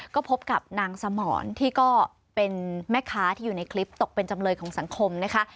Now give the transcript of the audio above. ก็พบกับนางสมรที่ก็เป็นแม่ค้าที่อยู่ในคลิปตกเป็นจำเลยของสังคมนะคะ